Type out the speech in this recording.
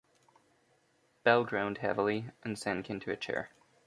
Belle groaned heavily, and sank into a chair.